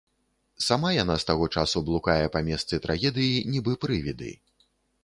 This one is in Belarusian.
Сама яна з таго часу блукае па месцы трагедыі, нібы прывіды.